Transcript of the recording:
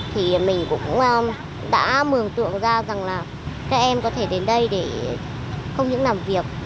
thì mình cũng đã mường tượng ra rằng là các em có thể đến đây để không những làm việc